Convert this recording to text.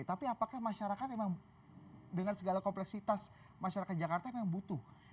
tapi apakah masyarakat memang dengan segala kompleksitas masyarakat jakarta memang butuh